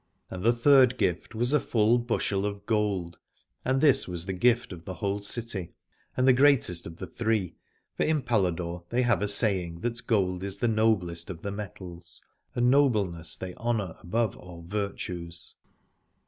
And the third gift was a full bushel of gold, and this was the gift of the whole city and the greatest of the three, for in Paladore they have a saying that gold is the noblest of the metals, and nobleness they 89 Aladore honour above all virtues.